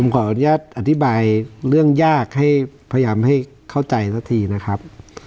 ขออนุญาตอธิบายเรื่องยากให้พยายามให้เข้าใจสักทีนะครับ